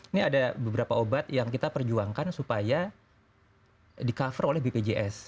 ini ada beberapa obat yang kita perjuangkan supaya di cover oleh bpjs